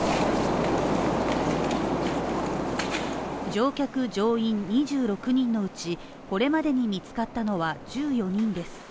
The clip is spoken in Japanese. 乗客乗員２６人のうち、これまでに見つかったのは１４人です。